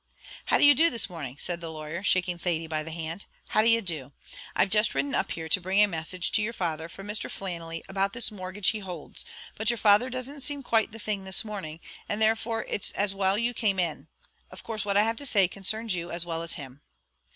"How do you do this morning?" said the lawyer, shaking Thady by the hand, "how d'ye do? I've just ridden up here to bring a message to your father from Mr. Flannelly about this mortgage he holds; but your father doesn't seem quite the thing this morning, and therefore it's as well you came in. Of course what I have to say concerns you as well as him."